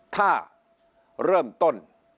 ฝ่ายชั้น